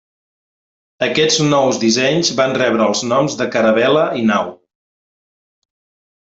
Aquests nous dissenys van rebre els noms de caravel·la i nau.